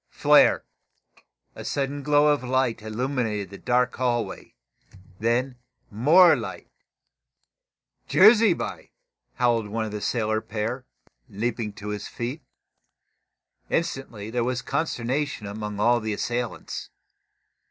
Flare! A sudden glow of light illumined the dark hallway. Then more light. "Jerusby!" howled one of the sailor pair, leaping to his feet. Instantly there was consternation among all the assailants.